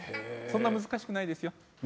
そんなに難しくないですよ。